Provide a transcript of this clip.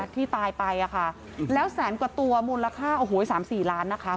ที่ตายไปอะค่ะแล้วแสนกว่าตัวมูลค่าโอ้โห๓๔ล้านนะคะ